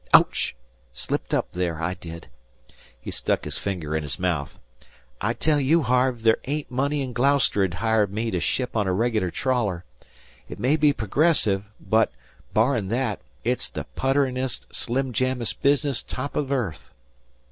Ouch! 'Slipped up there, I did." He stuck his finger in his mouth. "I tell you, Harve, there ain't money in Gloucester 'u'd hire me to ship on a reg'lar trawler. It may be progressive, but, barrin' that, it's the putterin'est, slimjammest business top of earth."